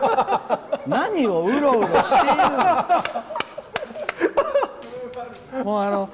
何をうろうろしてるの！